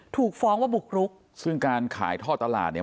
ถูกฟ้องว่าบุกรุกซึ่งการขายท่อตลาดเนี่ย